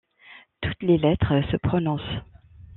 Toutes les lettres se prononcent.